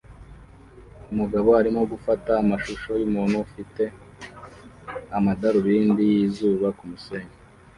Umugabo arimo gufata amashusho yumuntu ufite amadarubindi yizuba kumusenyi